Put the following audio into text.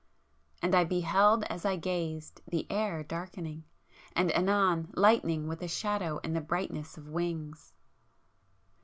And I beheld as I gazed, the air darkening, and anon lightening with the shadow and the brightness of wings!